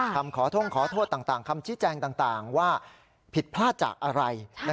คำขอท่งขอโทษต่างคำชี้แจงต่างว่าผิดพลาดจากอะไร